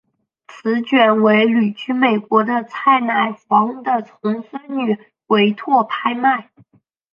此卷为旅居美国的蔡乃煌的重孙女委托拍卖。